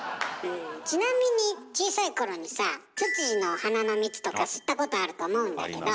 ちなみに小さい頃にさツツジの花の蜜とか吸ったことあると思うんだけど。